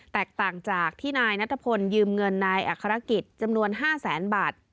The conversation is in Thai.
แตกต่างจากที่นายนัทพลยืมเงินนายอัครกิจจำนวน๕แสนบาท